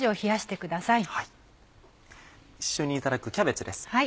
一緒にいただくキャベツです。